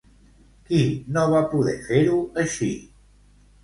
Qui no va poder fer-ho així?